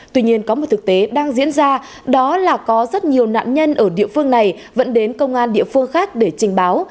tuy nhiên có một thực tế đang diễn ra đó là có rất nhiều nạn nhân ở địa phương này vẫn đến công an địa phương khác để trình báo